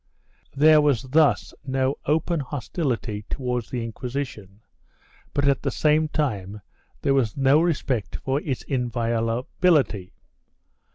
3 There was thus no open hostility towards the Inquisition, but, at the same time, there was no respect for its inviolability.